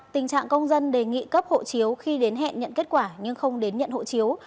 tình trạng công dân đề nghị cấp hộ chiếu khi đến hẹn nhận kết quả nhưng không đến nhận hộ chiếu